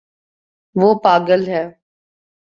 وہ پاگل ہے